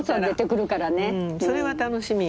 それは楽しみや。